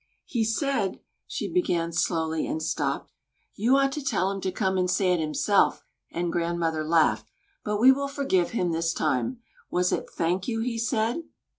"He said " she began slowly, and stopped. "You ought to tell him to come and say it himself," and grandmother laughed; "but we will forgive him this time. Was it 'Thank you,' he said?"